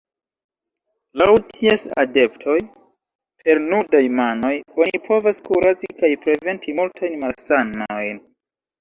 Laŭ ties adeptoj, per nudaj manoj oni povas kuraci kaj preventi multajn malsanojn.